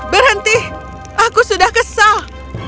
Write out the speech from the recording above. berhenti aku sudah kesal